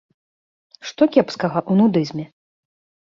Што кепскага ў нудызме?